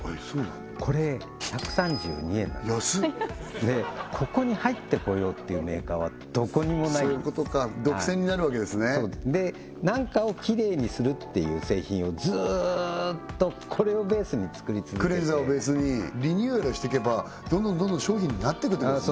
これ１３２円なんです安っでここに入ってこようっていうメーカーはどこにもない独占になるわけですねで何かをきれいにするっていう製品をずーっとこれをベースに作り続けてリニューアルしていけばどんどんどんどん商品になっていくってことですね